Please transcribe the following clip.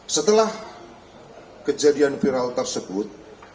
setelah kejadian viral tersebut